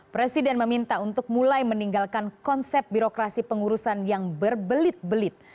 presiden meminta untuk mulai meninggalkan konsep birokrasi pengurusan yang berbelit belit